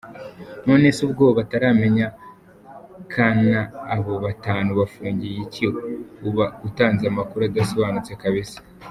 Nonese ubwo bataramenya kana abo batanu bafungiwe iki? Uba utanze Amakuru adasobanutse kabisa.